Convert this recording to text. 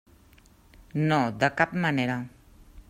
No, de cap manera.